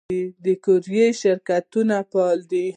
د کوریر شرکتونه فعال دي؟